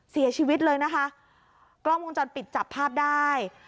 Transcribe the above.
เสียชีวิตเลยนะคะกล้องวงจรปิดจับภาพได้